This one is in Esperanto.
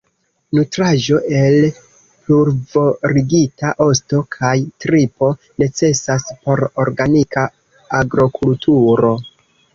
Nutraĵo el pulvorigita osto kaj tripo necesas por organika agrokulturo.